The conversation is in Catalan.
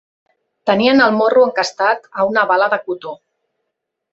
Tenien el morro encastat a una bala de cotó